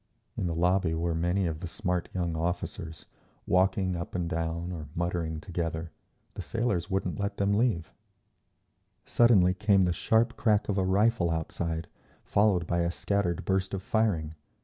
In the lobby were many of the smart young officers, walking up and down or muttering together; the sailors wouldn't let them leave…. Suddenly came the sharp crack of a rifle outside, followed by a scattered burst of firing.